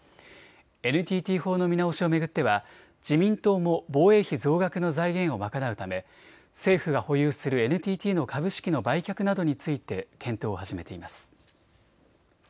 ＮＴＴ法の見直しを巡っては自民党も防衛費増額の財源を賄うため、政府が保有するＮＴＴの株式の売却などについて検討を始めています。